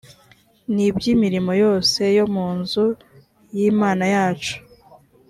n iby imirimo yose yo mu nzu y imana yacu